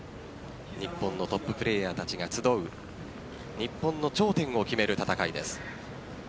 日本のトッププレーヤーたちが集う日本の頂点を決める戦いです。